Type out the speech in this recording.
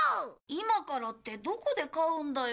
今からってどこで飼うんだよ？